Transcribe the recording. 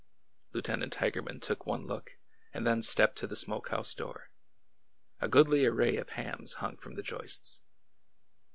Lieutenant Tigerman took one look and then stepped to the smoke house door. A goodly array of hams hung from the joists.